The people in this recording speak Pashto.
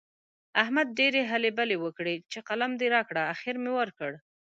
احمد ډېرې هلې بلې وکړې چې قلم دې راکړه؛ اخېر مې ورکړ.